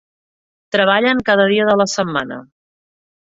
Treballen cada dia de la setmana.